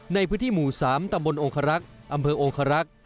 ในพื้นที่หมู่๓ตำบลองคารักษ์อำเภอองคารักษ์